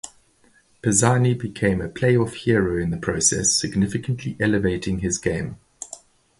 Pisani became a playoff hero in the process, significantly elevating his game.